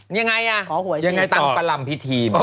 ยังไงต่างประลำพิธี